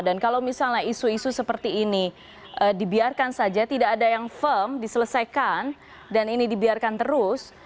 dan kalau misalnya isu isu seperti ini dibiarkan saja tidak ada yang firm diselesaikan dan ini dibiarkan terus